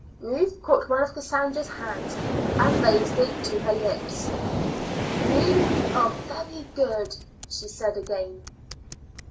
Ruth caught one of Cassandra's hands and raised it to her lips. "You are very good," she said again.